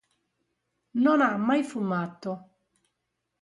Non ha mai fumato.